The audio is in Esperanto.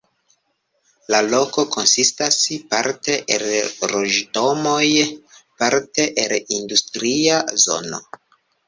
La loko konsistas parte el loĝdomoj, parte el industria zono.